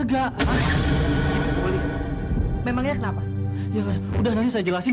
jom bapak ke mana jom